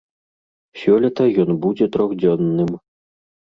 Сёлета ён будзе трохдзённым.